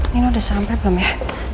nino sudah sampai belum ya